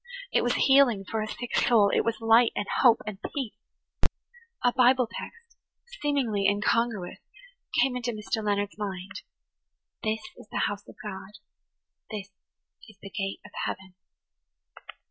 It was healing for a sick soul; it was light and hope and peace. A Bible text, seemingly incongruous, came into Mr. Leonard's mind–"This is the house of God; this is the gate of heaven."